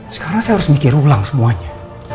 sekarang saya harus mikir ulang semuanya